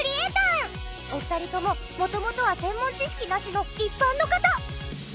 お二人とも元々は専門知識なしの一般の方。